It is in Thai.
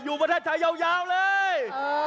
อยู่ประเทศไทยยาวเลย